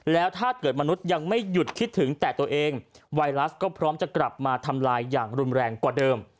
แล้วถ้าเกิดมนุษย์ยังไม่หยุดคิดถึงแต่ตัวเองไวรัสก็พร้อมจะกลับมาทำลายอย่างรุนแรงกว่าเดิม